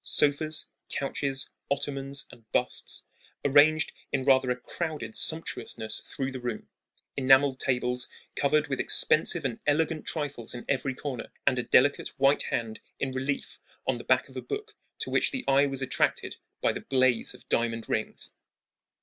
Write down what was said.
Sofas, couches, ottomans, and busts, arranged in rather a crowded sumptuousness through the room; enameled tables, covered with expensive and elegant trifles in every corner, and a delicate white hand in relief on the back of a book, to which the eye was attracted by the blaze of diamond rings.